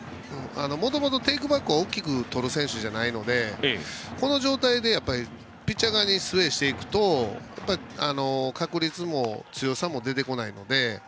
もともとテイクバックを大きくとる選手じゃないのでこの状態で、ピッチャー側にスウエーしていくと確率も強さも出てこないので。